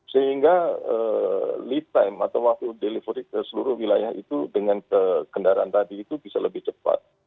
sehingga lead time atau waktu delivery ke seluruh wilayah itu dengan kendaraan tadi itu bisa lebih cepat